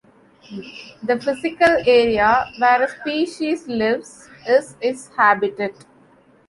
The physical area where a species lives, is its habitat.